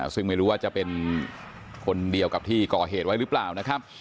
ซึ่งไม่รู้ว่าจะเป็นคนเดียวกับที่ก่อเหตุไว้หรือเปล่านะครับ